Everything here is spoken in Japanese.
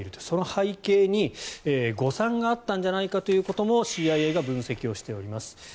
その背景に誤算があったんじゃないかということもＣＩＡが分析しています。